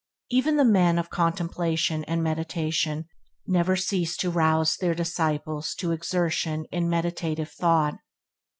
Even the men of contemplation and meditation never cease to rouse their disciples to exertion in meditative thought.